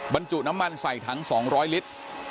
บรรจุน้ำมันใส่ถัง๒๐๐ลิตร